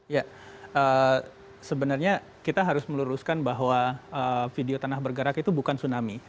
ya sebenarnya kita harus meluruskan bahwa video tanah bergerak itu bukan tsunami